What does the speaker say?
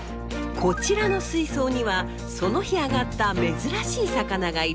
こちらの水槽にはその日あがった珍しい魚が入れられます。